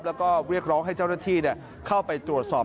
แล้วก็เรียกร้องให้เจ้าหน้าที่เข้าไปตรวจสอบ